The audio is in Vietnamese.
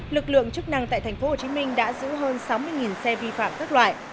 lực lượng chức năng tại tp hcm đã giữ hơn sáu mươi xe vi phạm các loại